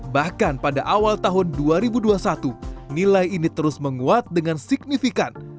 bahkan pada awal tahun dua ribu dua puluh satu nilai ini terus menguat dengan signifikan